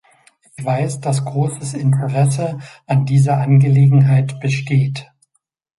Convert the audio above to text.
Ich weiß, dass großes Interesse an dieser Angelegenheit besteht.